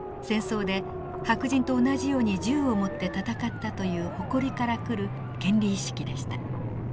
戦争で白人と同じように銃を持って戦ったという誇りからくる権利意識でした。